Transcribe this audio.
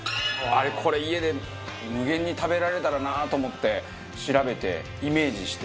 これ家で無限に食べられたらなあと思って調べてイメージして。